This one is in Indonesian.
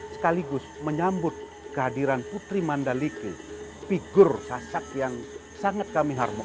sekaligus menyambut kehadiran putri mandalike figur sasak yang sangat kami harmoti